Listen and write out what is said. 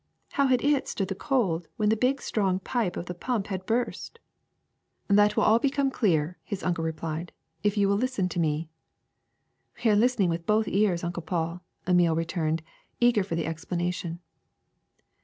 How had it stood the cold when the big strong pipe of the pump had burst?" 350 ICE 351 *^That will all become clear," his uncle replied, *4f you will listen to me." ^*We are listening with both ears, Uncle Paul," Emile returned, eager for the explanation.